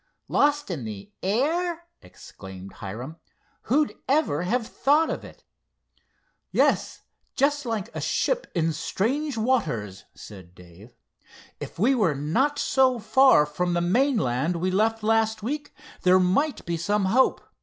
"Lost in the air!" exclaimed Hiram—"who'd ever have thought of it!" "Yes, just like a ship in strange waters," said Dave. "If we were not so far from the mainland we left last week, there might be some hope.